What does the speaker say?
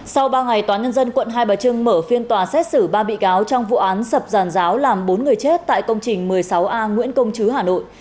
sau ba ngày tòa nhân dân quận hai bà trưng mở phiên tòa xét xử ba bị cáo trong vụ án sập giàn giáo làm bốn người chết tại công trình một mươi sáu a nguyễn công chứ hà nội